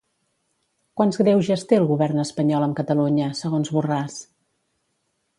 Quants greuges té el govern espanyol amb Catalunya, segons Borràs?